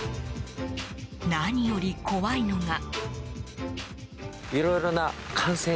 何より怖いのが。